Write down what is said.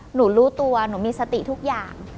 หนูรู้ตัวหนูมีสติทุกอย่าง